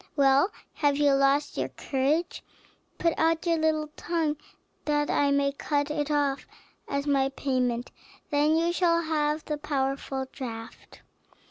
Well, have you lost your courage? Put out your little tongue that I may cut it off as my payment; then you shall have the powerful draught."